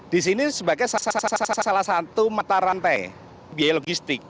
di sini sebagai salah satu mata rantai biaya logistik